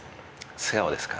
素顔ですか？